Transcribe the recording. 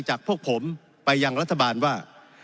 จากพวกผมไปยังรัฐบาลว่า